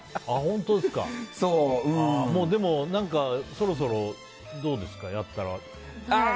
でも、そろそろどうですかやったら。